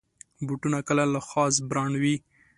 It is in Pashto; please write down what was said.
بوټونه کله له خاص برانډ وي.